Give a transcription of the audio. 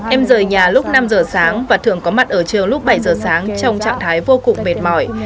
em rời nhà lúc năm giờ sáng và thường có mặt ở trường lúc bảy giờ sáng trong trạng thái vô cùng mệt mỏi